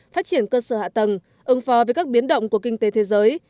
phát triển cơ sở hạ tầng ứng phó với các biến động của kinh tế thế giới